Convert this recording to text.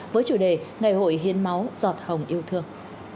với chủ đề ngày hội hiến máu giọt hồng yêu thương